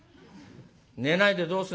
「寝ないでどうするの」。